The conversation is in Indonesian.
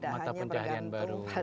mata pencaharian baru